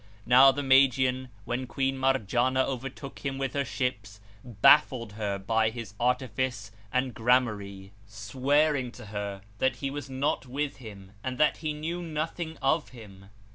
Now the Magian, when Queen Marjanah overtook him with her ships, baffled her by his artifice and gramarye; swearing to her that he was not with him and that he knew nothing of him.